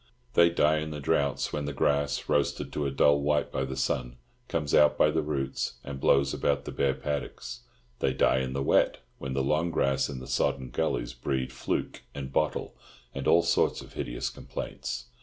They die in the droughts when the grass, roasted to a dull white by the sun, comes out by the roots and blows about the bare paddocks; they die in the wet, when the long grass in the sodden gullies breeds "fluke" and "bottle" and all sorts of hideous complaints.